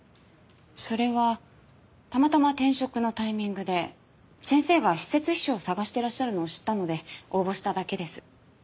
それはたまたま転職のタイミングで先生が私設秘書を探してらっしゃるのを知ったので応募しただけです。